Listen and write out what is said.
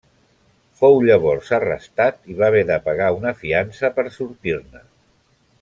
Fou llavors arrestat i va haver de pagar una fiança per sortir-ne.